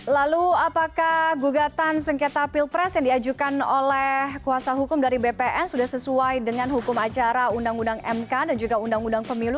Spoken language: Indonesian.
lalu apakah gugatan sengketa pilpres yang diajukan oleh kuasa hukum dari bpn sudah sesuai dengan hukum acara undang undang mk dan juga undang undang pemilu